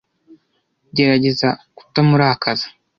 Gerageza kutamurakaza.